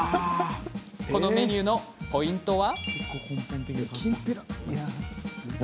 このメニューのポイントは？